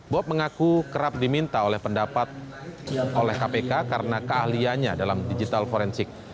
bob mengaku kerap diminta oleh pendapat oleh kpk karena keahliannya dalam digital forensik